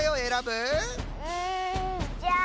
うんじゃあ。